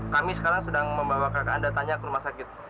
kami sekarang sedang membawa kakak anda tanya ke rumah sakit